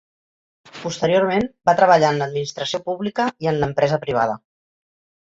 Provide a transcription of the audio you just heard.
Posteriorment va treballar en l'administració pública i en l'empresa privada.